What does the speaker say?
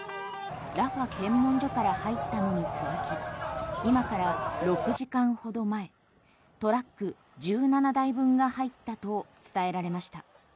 ラファ検問所から入ったのに続き今から６時間ほど前トラック１７台分が入ったと伝えられました。